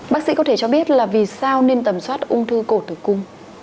bác sĩ có thể cho biết là vì sao nên tầm soát ung thư cổ tử cung